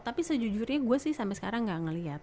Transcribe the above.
tapi sejujurnya gue sih sampe sekarang gak ngeliat